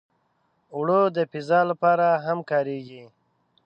اوړه د پیزا لپاره هم کارېږي